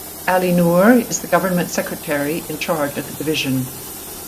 Ali Noor is the government secretary in charge of the division.